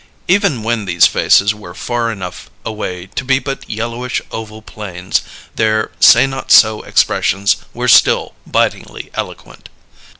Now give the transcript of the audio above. Even when these faces were far enough away to be but yellowish oval planes, their say not so expressions were still bitingly eloquent.